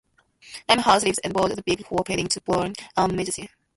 Limehouse leaves and Boyd attacks Devil (Kevin Rankin) for failing to burn the marijuana.